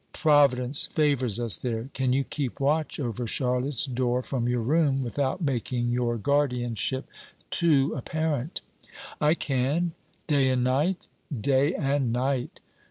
"Providence favours us there. Can you keep watch over Charlotte's door from your room without making your guardianship too apparent?" "I can." "Day and night?" "Day and night."